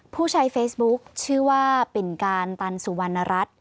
ผู้ใช้เฟซบุ๊คชื่อว่าปิ่นการตันสุวรรณรัฐ